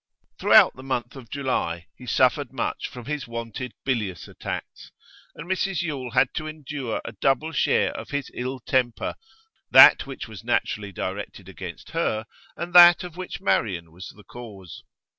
Throughout the month of July he suffered much from his wonted bilious attacks, and Mrs Yule had to endure a double share of his ill temper, that which was naturally directed against her, and that of which Marian was the cause.